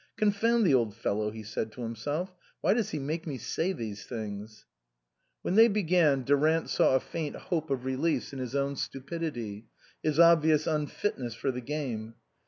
" Confound the old fellow," he said to himself ;" why does he make me say these things ?" When they began, Durant saw a faint hope of release in his own stupidity, his obvious un fitness for the game.